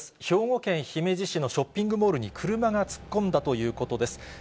兵庫県姫路市のショッピングモールに、車が突っ込んだということです。